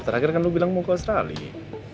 terakhir kan lo bilang mau ke australia